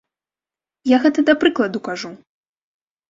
Я гэта да прыкладу кажу.